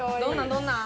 どんなん？